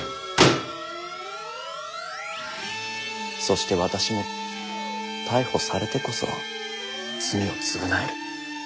そして私も逮捕されてこそ罪を償える。